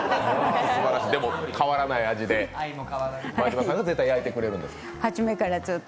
でも変わらない味で、前島さんが焼いてくれると。